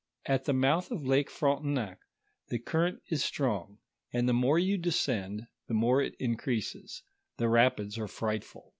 At the mouth of Lake Frontenac tho current is strong, and tho more you descend the more it increases ; the rapids are frightful.